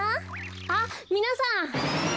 あっみなさん。